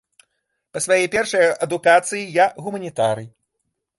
Па сваёй першай адукацыі я гуманітарый.